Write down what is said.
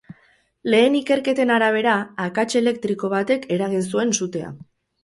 Lehen ikerketen arabera, akats elektriko batek eragin zuen sutea.